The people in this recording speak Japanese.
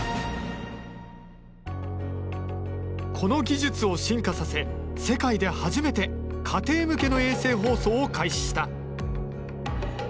この技術を進化させ世界で初めて家庭向けの衛星放送を開始した。